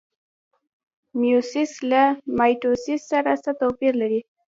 میوسیس له مایټوسیس سره څه توپیر لري؟